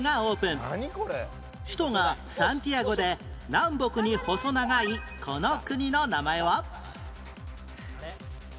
首都がサンティアゴで南北に細長いこの国の名前は？